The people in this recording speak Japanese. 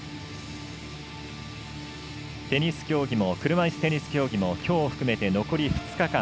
車いすテニス競技もきょうを含めて残り２日間。